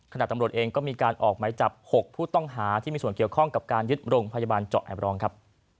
ตำรวจเองก็มีการออกไหมจับ๖ผู้ต้องหาที่มีส่วนเกี่ยวข้องกับการยึดโรงพยาบาลเจาะแอบรองครับ